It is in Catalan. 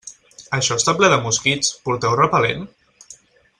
Això està ple de mosquits, porteu repel·lent?